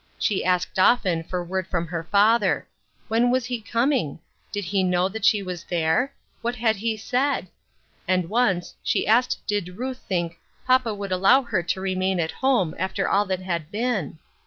She asked often for word from her father. When was he coming ? Did he know that she was there ? What had he said ? And once, she asked did Ruth think " papa would AT HOME. 331 allow her to remain at home, after all that had been?"